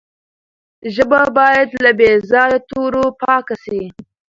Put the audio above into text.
ژبه باید له بې ځایه تورو پاکه سي.